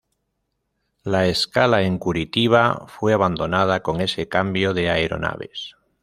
La escala en Curitiba fue abandonada con ese cambio de aeronaves.